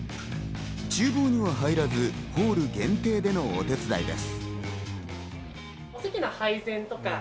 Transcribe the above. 厨房には入らず、ホール限定のみのお手伝いです。